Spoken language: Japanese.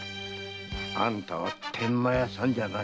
あんたは天満屋さんじゃない。